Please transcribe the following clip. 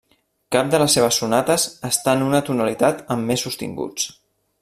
Cap de les seves sonates està en una tonalitat amb més sostinguts.